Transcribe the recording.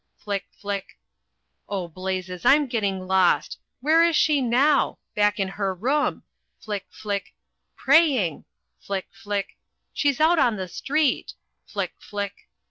Flick, flick! Oh, blazes! I'm getting lost! Where is she now? Back in her room flick, flick praying flick, flick! She's out on the street! flick, flick!